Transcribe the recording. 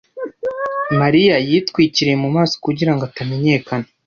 Mariya yitwikiriye mu maso kugira ngo atamenyekana.